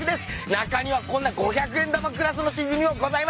中にはこんな五百円玉クラスのシジミもございます。